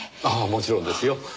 ああもちろんですよ。